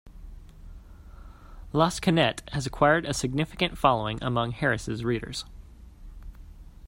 Lansquenet has acquired a significant following among Harris' readers.